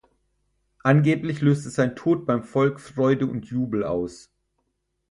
Angeblich löste sein Tod beim Volk Freude und Jubel aus.